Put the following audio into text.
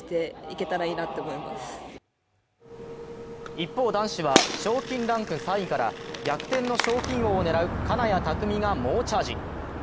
一方、男子は賞金ランク３位から逆転の賞金王を狙う金谷拓実が猛チャージ。